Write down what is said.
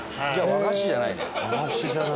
和菓子じゃないよね。